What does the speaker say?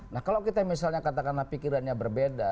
nah kalau kita misalnya katakanlah pikirannya berbeda